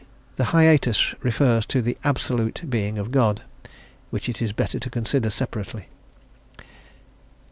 (The hiatus refers to the "absolute" being of God, which it is better to consider separately.)